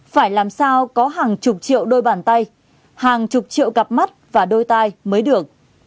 phải làm sao có hàng chục triệu đôi bàn tay hàng chục triệu cặp mắt và đôi tay mới được